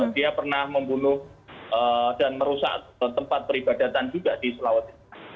dia pernah membunuh dan merusak tempat peribadatan juga di sulawesi